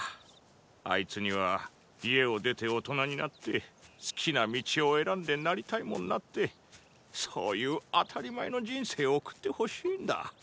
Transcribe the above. あいつには家を出て大人になって好きな道を選ンでなりたいもンなってそういう当たり前の人生を送って欲しいンだ。